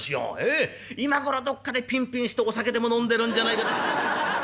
今頃どっかでピンピンしてお酒でも飲んでるんじゃないか。